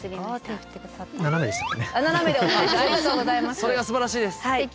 それがすばらしいです。